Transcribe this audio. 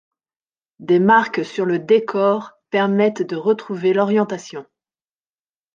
Des marques sur le décor permettent de retrouver l’orientation.